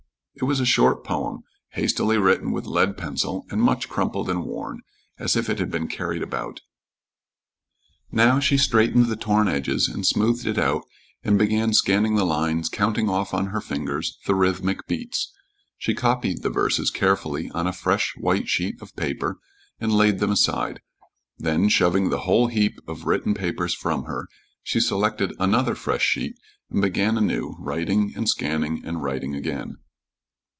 It was a short poem, hastily written with lead pencil, and much crumpled and worn, as if it had been carried about. Now she straightened the torn edges and smoothed it out and began scanning the lines, counting off on her fingers the rhythmic beats; she copied the verses carefully on a fresh white sheet of paper and laid them aside; then, shoving the whole heap of written papers from her, she selected another fresh sheet and began anew, writing and scanning and writing again.